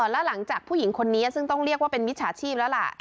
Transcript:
แล้วหลังจากผู้หญิงคนนี้ซึ่งต้องเรียกว่าเป็นมิจฉาชีพแล้วล่ะ